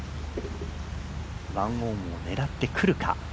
１オンを狙ってくるか。